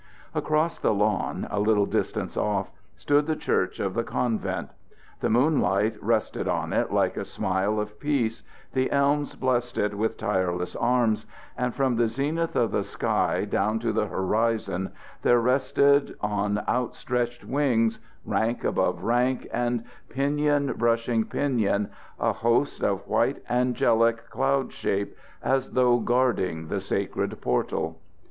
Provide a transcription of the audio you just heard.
Across the lawn, a little distance off, stood the church of the convent. The moonlight rested on it like a smile of peace, the elms blessed it with tireless arms, and from the zenith of the sky down to the horizon there rested on out stretched wings, rank above rank and pinion brushing pinion, a host of white, angelic cloud shapes, as though guarding the sacred portal.